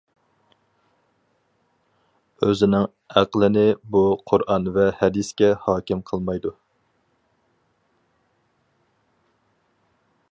ئۆزىنىڭ ئەقلىنى بۇ قۇرئان ۋە ھەدىسكە ھاكىم قىلمايدۇ.